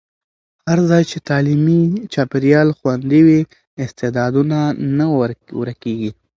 هر ځای چې تعلیمي چاپېریال خوندي وي، استعدادونه نه ورکېږي.